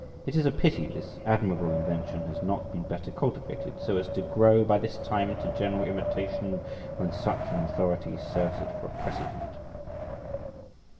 It is a pity this admirable invention has not been better cultivated, so as to grow by this time into general imitation, when such an authority serves it for a precedent.